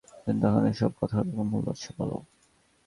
কিন্তু এখন এসব কথার কোন মূল্য আছে, বল?